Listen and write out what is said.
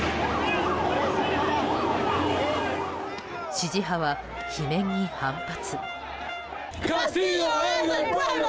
支持派は罷免に反発。